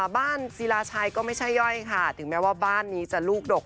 ศิลาชัยก็ไม่ใช่ย่อยค่ะถึงแม้ว่าบ้านนี้จะลูกดก